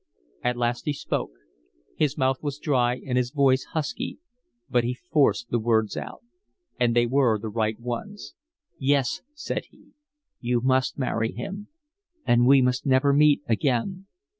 At last he spoke. His mouth was dry and his voice husky, but he forced the words out. And they were the right ones. "Yes," said he, "you must marry him. And we must never meet again."